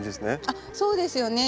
あっそうですよね。